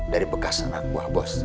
dari bekas anak buah bos